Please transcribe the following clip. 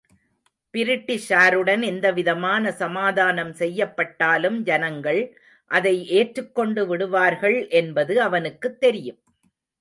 பிரிட்டிஷாருடன் எவ்விதமான சமாதானம் செய்யப்பட்டாலும் ஜனங்கள் அதை ஏற்றுக்கொண்டுவிடுவார்கள் என்பது அவனுக்குத் தெரியும்.